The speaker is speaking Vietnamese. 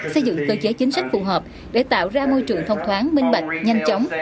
xây dựng cơ chế chính sách phù hợp để tạo ra môi trường thông thoáng minh bạch nhanh chóng